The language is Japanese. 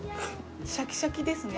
シャキシャキですね。